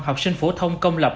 học sinh phổ thông công lập